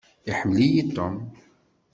Iḥemmel-iyi Tom.